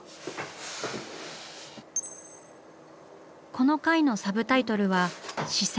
この回のサブタイトルは「視線」。